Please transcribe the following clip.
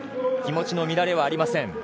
気持ちの乱れはありません。